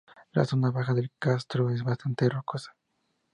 La zona baja del castro es bastante rocosa.